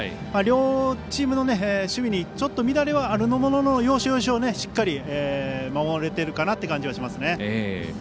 両チームの守備にちょっと乱れはあるものの要所要所でしっかり守れているかなという感じがします。